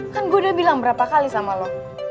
kan gue udah bilang berapa kali sama lo